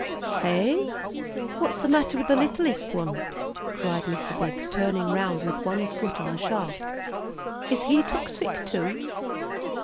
"Hey? What's the matter with the littlest one," cried Mr. Biggs, turning around with one foot on the shaft. "Is he took sick, too?"